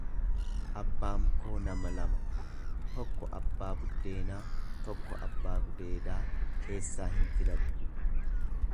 Abbaam koo nama lama tokko abbaa buddeenaa tokko abbaa gudeedaa keessaa hin filadhu.